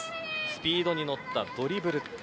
スピードに乗ったドリブル。